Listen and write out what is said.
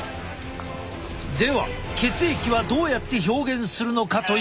では血液はどうやって表現するのかというと。